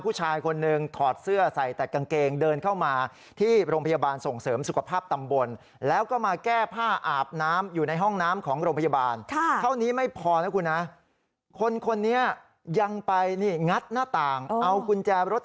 ผู้ชายคนหนึ่งถอดเสื้อใส่แตกกางเกงเดินเข้ามาที่โรงพยาบาลส่งเสริมสุขภาพตำบลแล้วก็มาแก้ผ้าอาบน้ำอยู่ในห้องน้ำของโรงพยาบาล